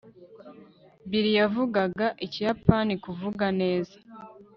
bill yavugaga ikiyapani kuvuga neza